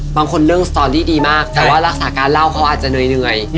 บางคนเรื่องสตอรี่ดีมากแต่ว่ารักษาการเล่าเขาอาจจะเหนื่อย